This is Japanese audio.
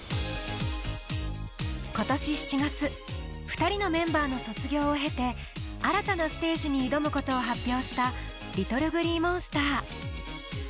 今年７月２人のメンバーの卒業を経て新たなステージに挑むことを発表したＬｉｔｔｌｅＧｌｅｅＭｏｎｓｔｅｒ。